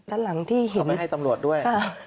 เขาไปให้ตำรวจด้วย